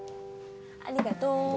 ありがとう。